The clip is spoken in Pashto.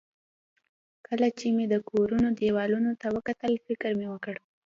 کله چې مې د کورونو دېوالونو ته وکتل، فکر مې وکړ.